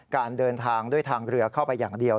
การเดินทางด้วยทางเรือเข้าไปอย่างเดียว